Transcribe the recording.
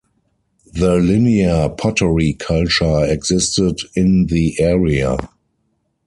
The Linear Pottery culture existed in the area.